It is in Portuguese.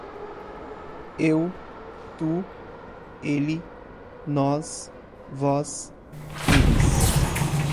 Eu, tu, ele, nós, vós, eles